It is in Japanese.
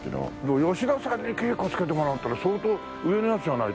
吉田さんに稽古つけてもらうっていうのは相当上のやつじゃないと。